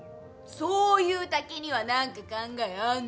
そういう猛兄ぃは何か考えあんのかよ？